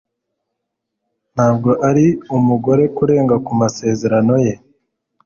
Ntabwo ari umugore kurenga ku masezerano ye.